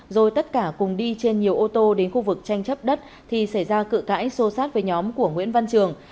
rồi tất cả cùng đi trên nhiều ô tô đến khu vực tranh chấp đất thì xảy ra cự cãi xô sát với nhóm của nguyễn văn trường